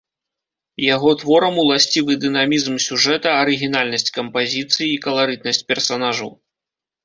Яго творам уласцівы дынамізм сюжэта, арыгінальнасць кампазіцыі і каларытнасць персанажаў.